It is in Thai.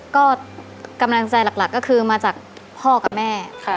ก็กำลังใจหลักก็คือมาจากพ่อกับแม่ค่ะ